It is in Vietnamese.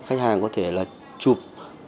khách hàng có thể chụp các hồ sơ bồi thường bảo hiểm